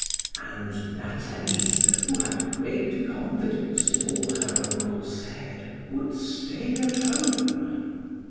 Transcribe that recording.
And Nathalie, who had great confidence in all her uncle said, would stay at home.